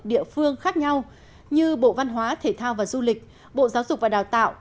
địa phương khác nhau như bộ văn hóa thể thao và du lịch bộ giáo dục và đào tạo